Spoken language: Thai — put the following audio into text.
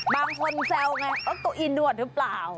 บางคนแซวไงว่าเก้าอี้นวดหรือเปล่า